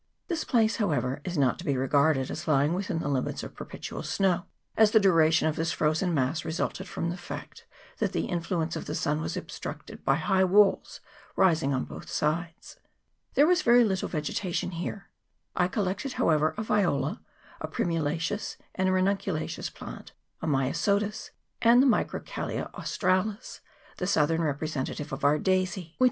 This place, however, is not to be regarded as lying within the limits of perpetual snow, as the duration of this frozen mass resulted from the fact that the influence of the sun was obstructed by high walls rising on both sides. There was very little vegetation here : I collected, however, a Viola, a primulaceous and a ranuncu laceous plant, a Myosotis, and the Microcalia Aus tralis, the southern representative of our daisy, which CHAP. VII.] OF MOUNT EGMONT.